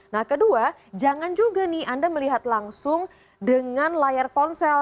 nah kedua jangan juga nih anda melihat langsung dengan layar ponsel